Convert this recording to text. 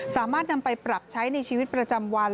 สามารถนำไปปรับใช้ในชีวิตประจำวัน